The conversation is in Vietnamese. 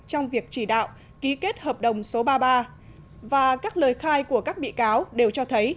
trong việc chỉ đạo ký kết hợp đồng số ba mươi ba và các lời khai của các bị cáo đều cho thấy